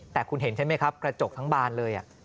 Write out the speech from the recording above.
แต่คุณเห็นใช่ไหมครับกระจกทั้งบานเลย